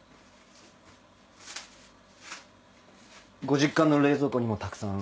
ご実家の冷蔵庫にもたくさん。